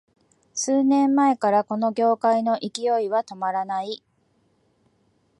数年前からこの業界の勢いは止まらない